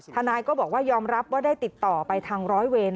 ทนายก็บอกว่ายอมรับว่าได้ติดต่อไปทางร้อยเวร